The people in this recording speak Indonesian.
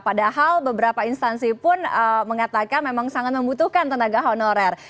padahal beberapa instansi pun mengatakan memang sangat membutuhkan tenaga honorer